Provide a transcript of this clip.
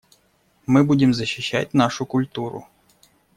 Мы будем защищать нашу культуру.